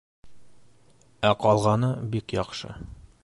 Ә ҡалғаны бик яҡшы.